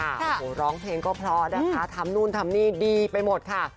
โอ้โหร้องเพลงก็เพราะนะคะทำนู่นทำนี่ดีไปหมดค่ะ